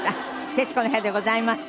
『徹子の部屋』でございます。